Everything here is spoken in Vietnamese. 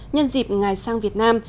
nhân dịp ngài sang việt nam